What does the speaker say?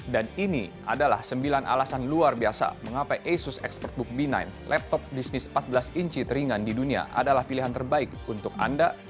dan ini adalah sembilan alasan luar biasa mengapa asus expertbook b sembilan laptop bisnis empat belas inci teringan di dunia adalah pilihan terbaik untuk anda